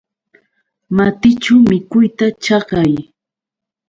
Matićhu mikuyta chakay.